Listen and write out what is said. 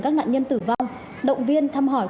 các nạn nhân tử vong động viên thăm hỏi